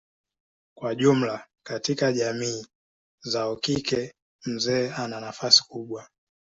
Kwa jumla katika jamii zao kike mzee ana nafasi kubwa.